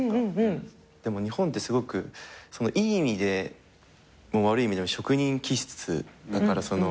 でも日本ってすごくいい意味でも悪い意味でも職人気質だから。